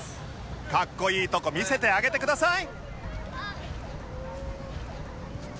かっこいいとこ見せてあげてください